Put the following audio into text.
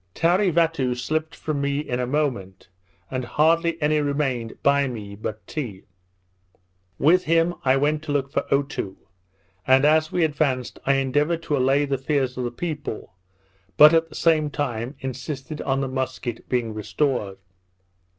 Tarevatoo slipped from me in a moment, and hardly any remained by me but Tee. With him I went to look for Otoo; and, as we advanced, I endeavoured to allay the fears of the people, but, at the same time, insisted on the musket being restored.